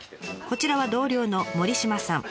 こちらは同僚の森島さん。